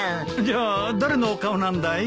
じゃあ誰の顔なんだい？